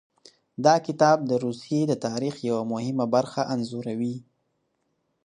دا کتاب د روسیې د تاریخ یوه مهمه برخه انځوروي.